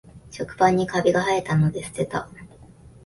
食パンにカビがはえたので捨てた